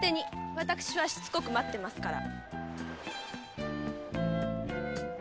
私はしつこく待ってますから。